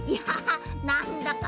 なんだか。